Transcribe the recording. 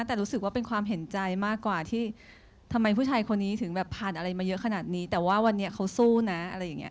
แต่รู้สึกว่าเป็นความเห็นใจมากกว่าที่ทำไมผู้ชายคนนี้ถึงแบบผ่านอะไรมาเยอะขนาดนี้แต่ว่าวันนี้เขาสู้นะอะไรอย่างเงี้